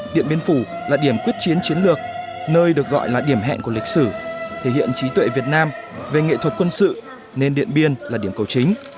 điện biên phủ là điểm quyết chiến chiến lược nơi được gọi là điểm hẹn của lịch sử thể hiện trí tuệ việt nam về nghệ thuật quân sự nên điện biên là điểm cầu chính